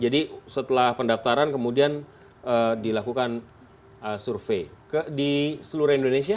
jadi setelah pendaftaran kemudian dilakukan survei di seluruh indonesia